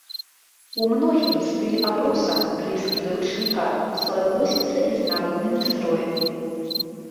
У многім стыль абруса блізкі да ручніка, суадносіцца і з народнымі строямі.